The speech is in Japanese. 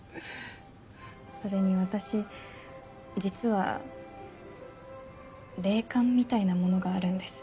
それに私実は霊感みたいなものがあるんです。